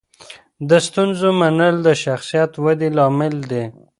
د ستونزو منل د شخصیت ودې لامل دی.